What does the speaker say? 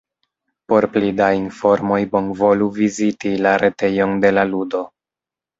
Por pli da informoj bonvolu viziti la retejon de la ludo.